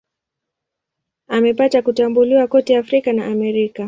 Amepata kutambuliwa kote Afrika na Amerika.